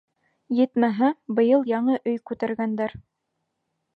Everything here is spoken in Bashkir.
Етмәһә, быйыл яңы өй күтәргәндәр.